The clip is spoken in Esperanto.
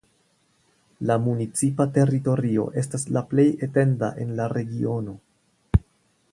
La municipa teritorio estas la plej etenda en la regiono.